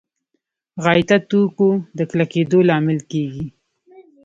غایطه توکو د کلکېدو لامل کېږي.